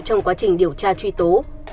trong quá trình điều tra truy tố